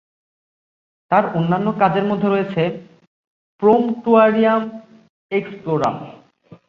তার অন্যান্য কাজের মধ্যে রয়েছে "প্রম্পটুয়ারিয়াম এক্সপ্লোরাম"।